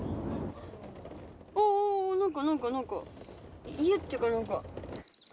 おぉ何か何か何か家っていうか何か。